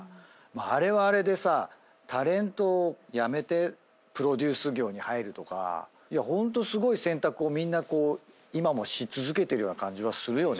あれはあれでさタレントを辞めてプロデュース業に入るとかホントすごい選択をみんな今もし続けてるような感じはするよね。